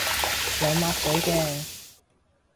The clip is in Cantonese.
有抹嘴嘅